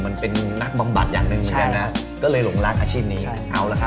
มันเป็นนักบำบัดอย่างนึงก็เลยหลงรักอาชีพนี้